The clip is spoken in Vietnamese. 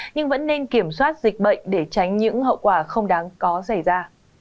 nhưng vẫn nên kiểm soát dịch bệnh để tránh những hậu quả không đáng có xảy ra